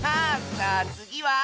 さあつぎは？